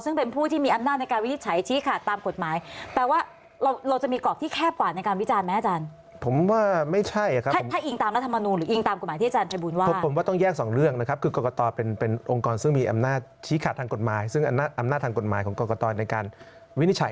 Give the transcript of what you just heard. ซึ่งเป็นผู้ที่มีอำนาจในการวินิจฉัย